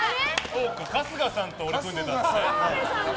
春日さんと俺、組んでたんだ。